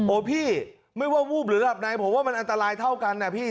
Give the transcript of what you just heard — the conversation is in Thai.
พี่ไม่ว่าวูบหรือหลับในผมว่ามันอันตรายเท่ากันนะพี่